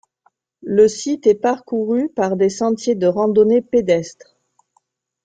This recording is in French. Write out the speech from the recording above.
Le site est parcouru par des sentiers de randonnée pédestre.